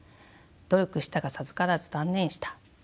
「努力したが授からず断念した」